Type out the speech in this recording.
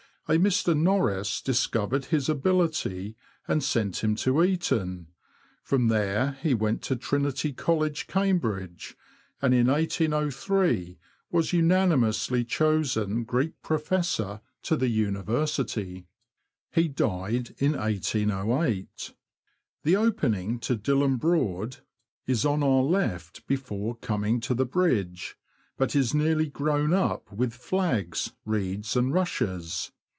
A Mr. Norris discovered his ability and sent him to Eton ; from there he went to Trinity College, Cambridge, and in 1803 was unanimously chosen Greek Professor to the University. He died in 1808. The opening to Dilham Broad is on our left before coming to the bridge, but is nearly grown up with flags, reeds, and rushes.